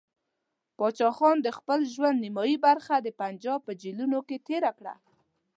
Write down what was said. پاچا خان د خپل ژوند نیمایي برخه د پنجاب په جیلونو کې تېره کړه.